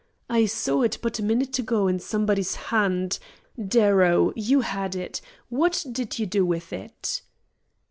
"I saw it but a minute ago in somebody's hand. Darrow, you had it; what did you do with it?"